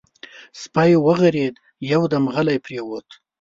سپی وغرېد، يودم غلی پرېووت.